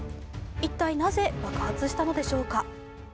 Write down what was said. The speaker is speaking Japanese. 一体なぜ爆発したのでしょうか。